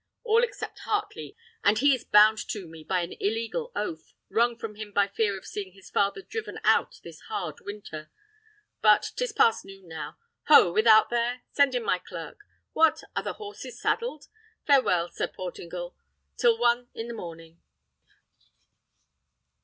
All except Heartley, and he is bound to me by an illegal oath, wrung from him by fear of seeing his father driven out this hard winter. But 'tis past noon now. Ho! without there! Send in my clerk. What! are the horses saddled? Farewell, Sir Portingal, till one i' the morning!"